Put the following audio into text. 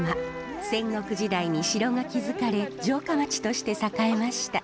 戦国時代に城が築かれ城下町として栄えました。